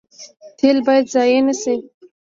تیل باید ضایع نشي